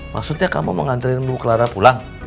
maksudnya kamu mau ngantriin bu clara pulang